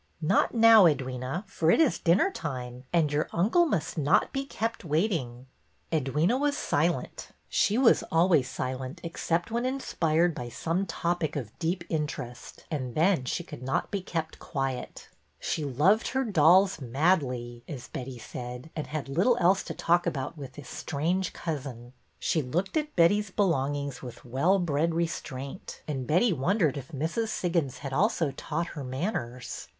'' Not now, Edwyna, for it is dinner time, and your uncle must not be kept waiting." Edwyna was silent. She was always silent 1 82 BETTY BAIRD'S VENTURES except when inspired by some topic of deep in terest, and then she could not be kept quiet. She loved her dolls '' madly," as Betty ^aid, and had little else to talk about with this strange cousin. She looked at Betty's belongings with well bred restraint, and Betty wondered if Mrs. Siggins had also taught her manners."